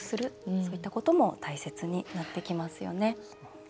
そういったことも大切になってきますよね。